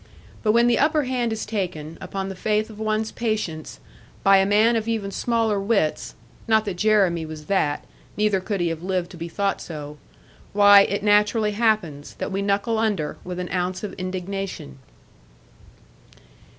But when the upper hand is taken, upon the faith of one's patience, by a man of even smaller wits (not that Jeremy was that, neither could he have lived to be thought so), why, it naturally happens, that we knuckle under, with an ounce of indignation.